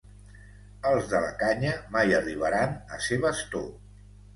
Els de la Canya mai arribaran a ser bastó.